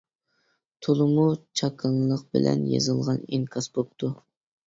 تولىمۇ چاكىنىلىق بىلەن يېزىلغان ئىنكاس بوپتۇ.